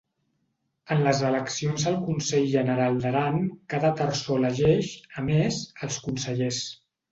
En les eleccions al Consell General d'Aran cada terçó elegeix, a més, els consellers.